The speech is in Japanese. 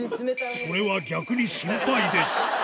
それは逆に心配です。